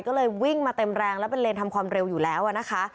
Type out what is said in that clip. ก็เลยวิ่งมาเต็มแรงแล้วเป็นเลนทำความเร็วอยู่แล้วนะคะ